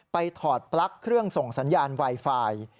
ถอดปลั๊กเครื่องส่งสัญญาณไวไฟ